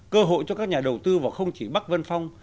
cơ hội cho các nhà đầu tư vào không chỉ bắc vân phong